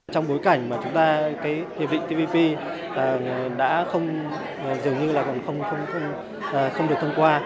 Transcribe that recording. trong bối cảnh mà chúng ta cái hiệp định tpp đã không dường như là không được thông qua